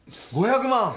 ５００万！